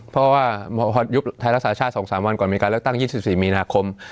เพราะว่ายุบไทยรักษาชาติสองสามวันก่อนมีการเริ่มตั้งยี่สิบสี่มีนาคม